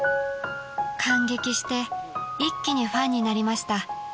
［感激して一気にファンになりました］